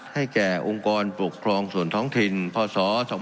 ให้แก่องค์กรปกครองส่วนท้องถิ่นพศ๒๕๖